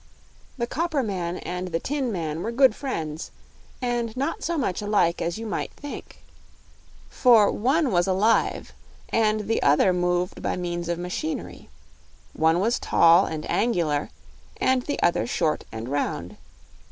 The copper man and the tin man were good friends, and not so much alike as you might think. For one was alive and the other moved by means of machinery; one was tall and angular and the other short and round.